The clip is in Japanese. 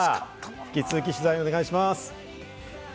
引き続き、取材をお願いします。